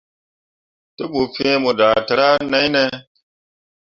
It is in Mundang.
Te ɓu fĩĩ mo dǝtǝs̃ǝǝ nai ne ?